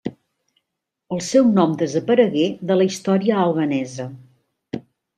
El seu nom desaparegué de la història albanesa.